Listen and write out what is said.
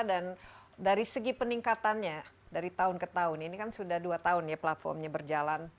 dan dari segi peningkatannya dari tahun ke tahun ini kan sudah dua tahun ya platformnya berjalan